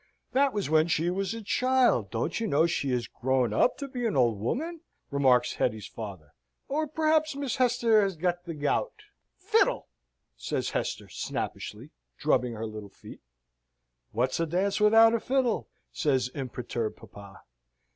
"That was when she was a child: don't you see she is grown up to be an old woman?" remarks Hetty's father. "Or perhaps Miss Hester has got the gout?" "Fiddle!" says Hester, snappishly, drubbing with her little feet. "What's a dance without a fiddle?" says imperturbed papa.